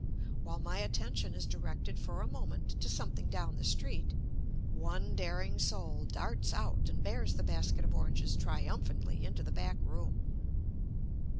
While my attention is directed for a moment to something down the street, one daring soul darts out and bears the basket of oranges triumphantly into the back room.